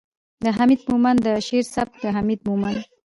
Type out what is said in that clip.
، د حميد مومند د شعر سبک ،د حميد مومند